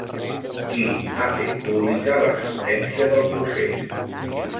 Qui ha fet pública la sentència del procés?